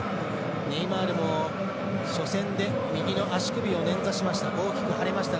ネイマールも初戦で右の足首を捻挫しました。